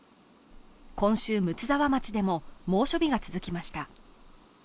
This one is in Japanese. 今週、睦沢町でも猛暑日が続きました。